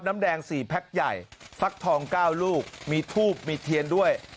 น้ำแดง๔แพ็คใหญ่ฟักทอง๙ลูกมีทูบมีเทียนด้วย